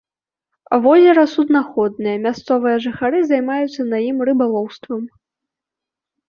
Возера суднаходнае, мясцовыя жыхары займаюцца на ім рыбалоўствам.